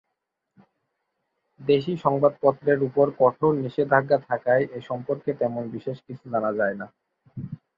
দেশি সংবাদপত্রের উপর কঠোর নিষেধাজ্ঞা থাকায় এ সম্পর্কে তেমন বিশেষ কিছু জানা যায় না।